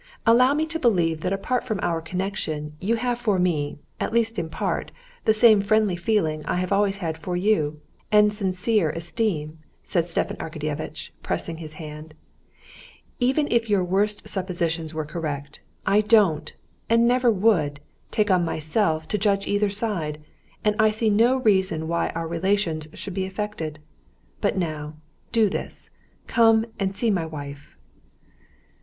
Allow me to believe that apart from our connection you have for me, at least in part, the same friendly feeling I have always had for you ... and sincere esteem," said Stepan Arkadyevitch, pressing his hand. "Even if your worst suppositions were correct, I don't—and never would—take on myself to judge either side, and I see no reason why our relations should be affected. But now, do this, come and see my wife."